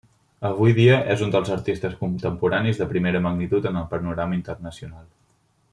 Avui dia, és un dels artistes contemporanis de primera magnitud en el panorama internacional.